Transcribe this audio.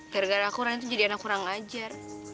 gara gara aku rani tuh jadi anak kurang ngajar